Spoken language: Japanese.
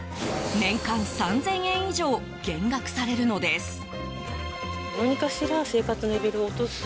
年間３０００円以上減額されるのです。